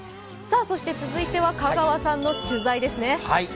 続いては香川さんの取材ですね。